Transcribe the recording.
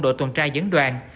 đội tuần trai dẫn đoàn